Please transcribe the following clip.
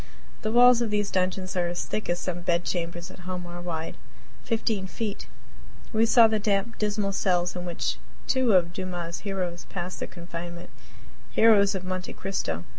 The walls of these dungeons are as thick as some bed chambers at home are wide fifteen feet. We saw the damp, dismal cells in which two of Dumas' heroes passed their confinement heroes of "Monte Cristo."